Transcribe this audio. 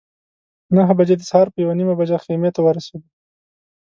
نهه بجې د سهار په یوه نیمه بجه خیمې ته ورسېدو.